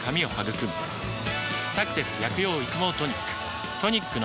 「サクセス薬用育毛トニック」